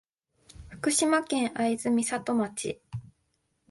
福島県会津美里町